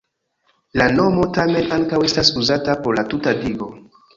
La nomo tamen ankaŭ estas uzata por la tuta digo.